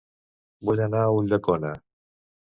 Vull anar a Ulldecona